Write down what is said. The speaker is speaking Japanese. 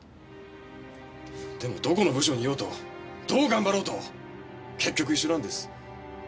でもどこの部署にいようとどう頑張ろうと結局一緒なんです。